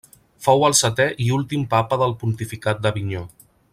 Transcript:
Fou el setè i últim Papa del pontificat d'Avinyó.